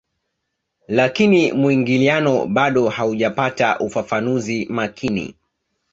Lakini muingiliano bado haujapata ufafanuzi makini